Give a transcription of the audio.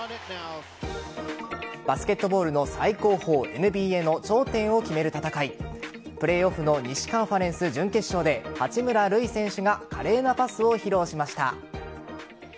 バスケットボールの最高峰ＮＢＡの頂点を決める戦いプレーオフの西カンファレンス準決勝で八村塁選手が華麗なパスを披露しました。